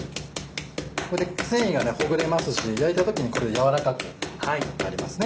これで繊維がほぐれますし焼いた時に軟らかくなりますね。